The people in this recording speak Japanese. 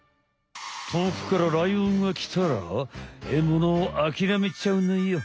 遠くからライオンが来たらえものをあきらめちゃうのよ！